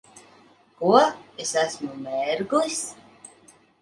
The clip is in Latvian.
Ko? Es esmu mērglis?